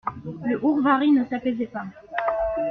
Le hourvari ne s'apaisait pas.